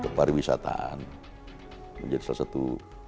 kepariwisataan menjadi salah satu